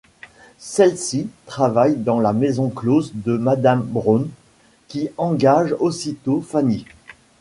Celle-ci travaille dans la maison close de madame Brown, qui engage aussitôt Fanny.